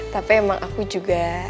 tapi emang aku juga